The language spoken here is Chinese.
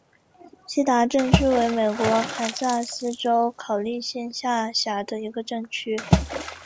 锡达镇区为美国堪萨斯州考利县辖下的镇区。